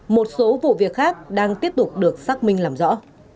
một số vụ việc khác đang tiếp tục được xác minh làm rõ